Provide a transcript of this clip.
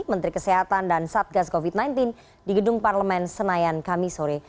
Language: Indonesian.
menteri kesehatan dan satgas covid sembilan belas di gedung parlemen senayan kamisore